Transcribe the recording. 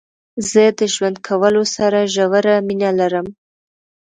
زه د ژوند کولو سره ژوره مينه لرم.